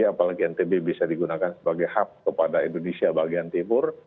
apalagi ntb bisa digunakan sebagai hub kepada indonesia bagian timur